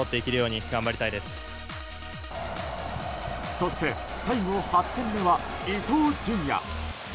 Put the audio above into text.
そして最後８点目は伊東純也。